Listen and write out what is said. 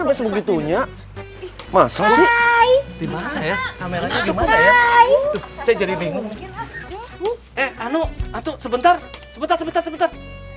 masalahnya masalah ya kamera jadi bingung eh anu atau sebentar sebentar sebentar sebentar